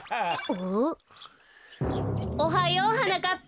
おはようはなかっぱ。